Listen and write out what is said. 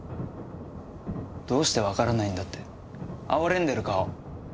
「どうしてわからないんだ」って哀れんでる顔。